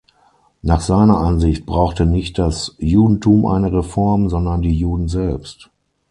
Nach seiner Ansicht brauchte nicht das Judentum eine Reform, sondern die Juden selbst.